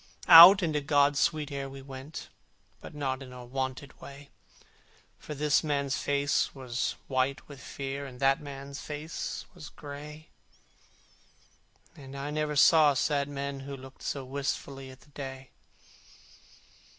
Out into God's sweet air we went, But not in wonted way, For this man's face was white with fear, And that man's face was gray, And I never saw sad men who looked So wistfully at the day.